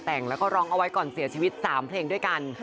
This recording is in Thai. แต่งแล้วก็ร้องเอาไว้ก่อนเสียชีวิต๓เพลงด้วยกัน